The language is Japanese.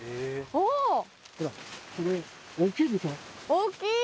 大っきい！